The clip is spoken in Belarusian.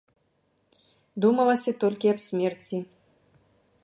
Думалася толькі аб смерці.